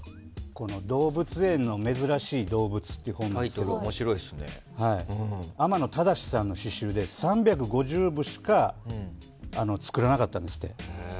「動物園の珍しい動物」っていう本なんですけど天野忠さんの詩集で３５０部しか作らなかったんですって。